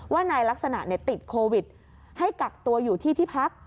ว่านายลักษณะติดโควิดให้กักตัวอยู่ที่ที่พัก